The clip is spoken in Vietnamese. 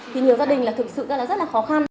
thì nhiều gia đình thực sự rất là khó khăn